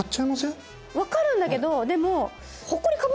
分かるんだけどでも。